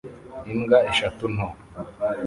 Imbwa eshatu nto